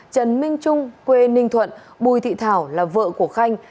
trần minh trung quê ninh thuận bùi thị thảo là vợ của khanh